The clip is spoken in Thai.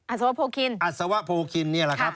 อัศวโภคินอัศวโภคินเนี่ยแหละครับ